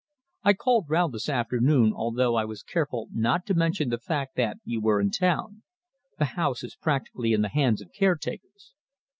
"I called round this afternoon, although I was careful not to mention the fact that you were in town. The house is practically in the hands of caretakers."